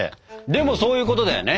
でもそういうことだよね？